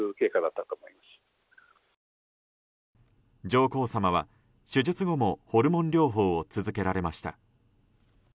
上皇さまは手術後もホルモン療法を続けられました。